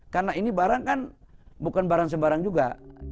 karena ini barang kan bukan barang sembarang juga